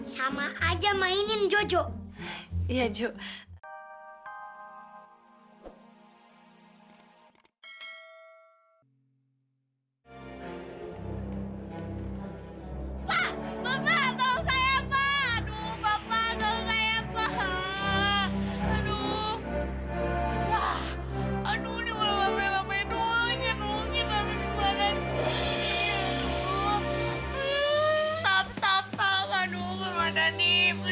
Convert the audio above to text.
sampai jumpa di video selanjutnya